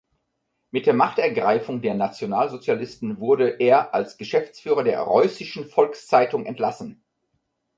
Mit der Machtergreifung der Nationalsozialisten wurde er als Geschäftsführer der "Reußischen Volkszeitung" entlassen.